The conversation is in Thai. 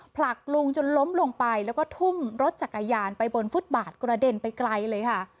ผลักลุงจนล้มลงไปแล้วก็ทุ่มรถจักรยานไปบนฟุตบาทกระเด็นไปไกลเลยค่ะ